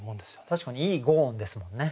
確かにいい５音ですもんね。